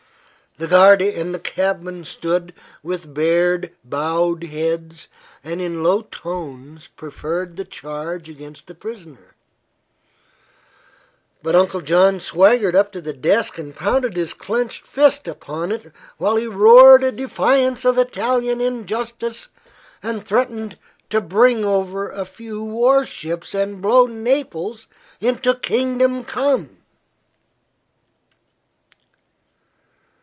The guarde and the cabman stood with bared bowed heads and in low tones preferred the charge against the prisoner; but Uncle John swaggered up to the desk and pounded his clinched fist upon it while he roared a defiance of Italian injustice and threatened to "bring over a few war ships and blow Naples into kingdom come!"